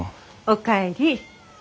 お帰り。